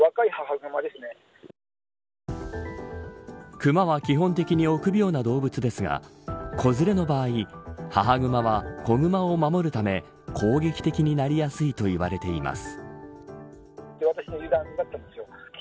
クマは基本的に臆病な動物ですが子連れの場合母グマは、子グマを守るため攻撃的になりやすいといわれています。